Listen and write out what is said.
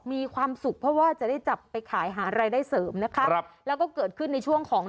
มีความสุขเพราะว่าจะได้จับไปขายหารายได้เสริมนะคะครับแล้วก็เกิดขึ้นในช่วงของ